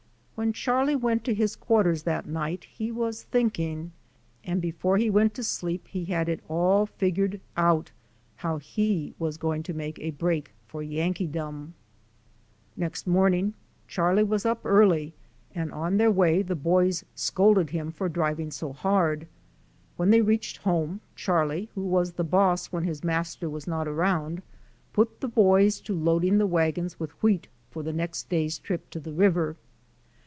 When Charlie went to his quarters that night he was thinking, and before he went to sleep he had it all figured out how he was going to make a break for Yankeedom. 586 D. N. Blazer. j.i.s.h.s. Next morning Charlie was up early and on their way the boys scolded him for driving so hard. When they reached home Charlie, who was the boss when his master was not around, put the boys to loading the wagons with wheat for the next day's trip to the river.